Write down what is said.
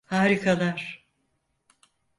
Harikalar.